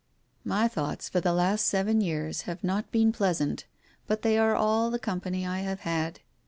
My thoughts, for the last seven years, have not been pleasant, but they are all the company I have had.